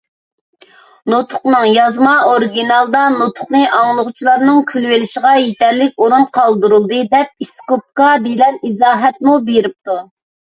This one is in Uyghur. نۇتۇقنىڭ يازما ئورىگىنالىدا «نۇتۇقنى ئاڭلىغۇچىلارنىڭ كۈلۈۋېلىشىغا يېتەرلىك ئورۇن قالدۇرۇلدى» دەپ ئىسكوپكا بىلەن ئىزاھاتمۇ بېرىپتۇ.